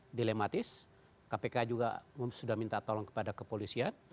ini dilematis kpk juga sudah minta tolong kepada kepolisian